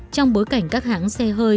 trong bối cảnh các hãng xe hơi